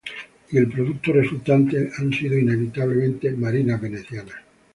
Y el producto resultante han sido, inevitablemente, marinas venecianas.